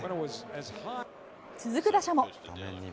続く打者も。